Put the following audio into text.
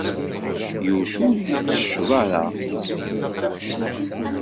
Yuc ur yettecceḍ ara.